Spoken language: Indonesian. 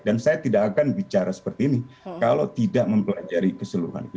dan saya tidak akan bicara seperti ini kalau tidak mempelajari keseluruhan itu